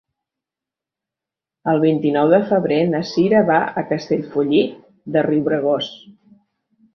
El vint-i-nou de febrer na Cira va a Castellfollit de Riubregós.